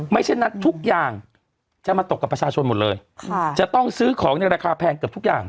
เช่นนั้นทุกอย่างจะมาตกกับประชาชนหมดเลยจะต้องซื้อของในราคาแพงเกือบทุกอย่าง